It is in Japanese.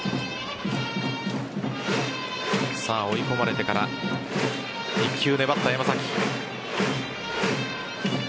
追い込まれてから１球粘った山崎。